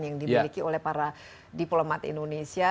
yang dimiliki oleh para diplomat indonesia